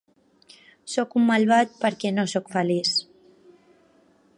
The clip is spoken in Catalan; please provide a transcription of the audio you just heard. Soc un malvat perquè no soc feliç.